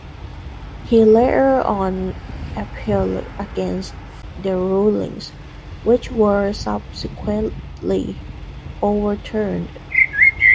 He later on appealed against the rulings, which were subsequently overturned.